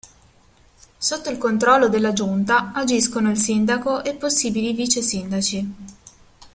Sotto il controllo della giunta agiscono il sindaco e possibili vice sindaci.